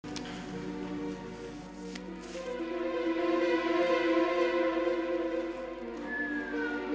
aku mau ke kamar